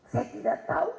saya tidak tahu